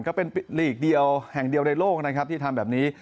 ก็เป็นหลีกเดียวแห่งเดียวในโลกนะครับที่ทำแบบนี้